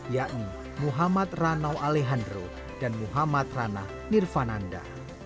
yakni muhammad ranaw alejandro dan muhammad ranah nirvananda